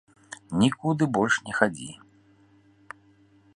Нікуды больш не хадзі.